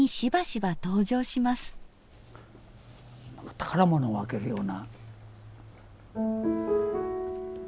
宝物を開けるような。